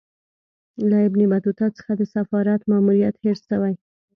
له ابن بطوطه څخه د سفارت ماموریت هېر سوی.